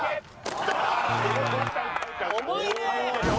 重いねえ！